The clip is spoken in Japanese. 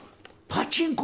パチンコ？